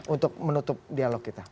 untuk menutup dialog kita